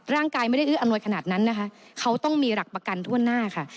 ร่างกายไม่ได้อื้ออำนวยขนาดนั้นนะคะเขาต้องมีหลักประกันทั่วหน้าค่ะ